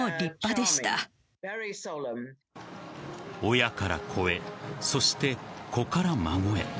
親から子へそして、子から孫へ。